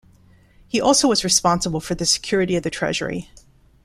He also was responsible for the security of the treasury.